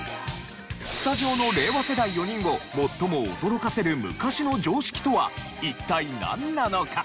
スタジオの令和世代４人を最も驚かせる昔の常識とは一体なんなのか？